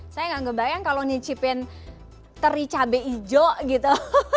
saya nggak ngebayang kalau nicipin teri cabai hijau gitu